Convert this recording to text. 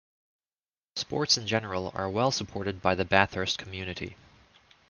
Sports in general are well supported by the Bathurst community.